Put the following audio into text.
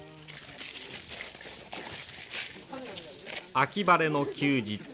秋晴れの休日